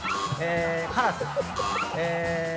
カラス。